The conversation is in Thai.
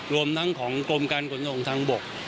รวมทั้งของกรมการขนส่งทางบก